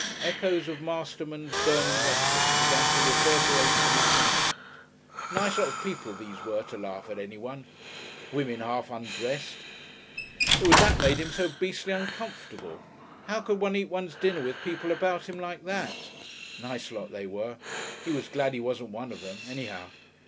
Echoes of Masterman's burning rhetoric began to reverberate in his mind. Nice lot of people these were to laugh at anyone! Women half undressed. It was that made him so beastly uncomfortable. How could one eat one's dinner with people about him like that? Nice lot they were. He was glad he wasn't one of them, anyhow.